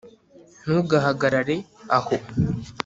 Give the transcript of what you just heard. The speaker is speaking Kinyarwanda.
ntugahagarare aho